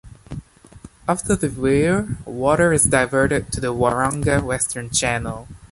After the weir, water is diverted to the Waranga Western Channel.